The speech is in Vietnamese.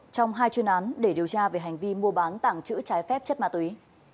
trong hai chuyên án để điều tra về hành vi mua bán tảng chữ trái phép chất ma túy